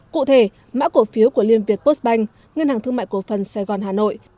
cụ thể mã cổ phiếu của liên việt postbank ngân hàng thương mại cổ phần sài gòn hà nội